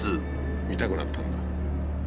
痛くなったんだ。